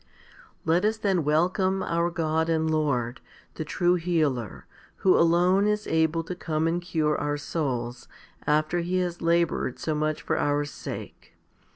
9. Let us then welcome our God and Lord, the true healer, who alone is able to come and cure our souls, after He has laboured so much for our sake.